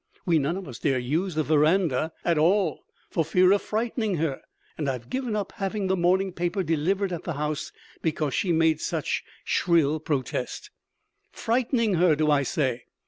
We none of us dare use the veranda at all for fear of frightening her, and I have given up having the morning paper delivered at the house because she made such shrill protest. Frightening her, do I say?